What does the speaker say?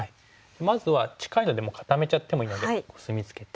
まずは近いのでもう固めちゃってもいいのでコスミツケて。